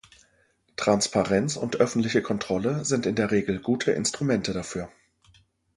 Transparenz und öffentliche Kontrolle sind in der Regel gute Instrumente dafür.